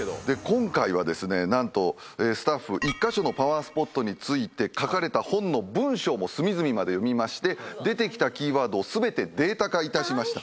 今回はですね何とスタッフ１カ所のパワースポットについて書かれた本の文章も隅々まで読みまして出てきたキーワードを全てデータ化いたしました。